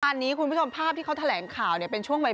อันนี้คุณผู้ชมภาพที่เขาแถลงข่าวเนี่ยเป็นช่วงบ่าย